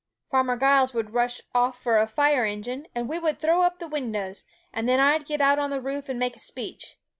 Farmer Giles would rush off for a fire engine; we would throw up the windows, and then I'd get out on the roof and make a speech.